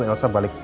udah wisih mana